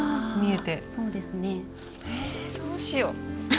えどうしよう。